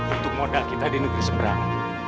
untuk modal kita di negeri seberang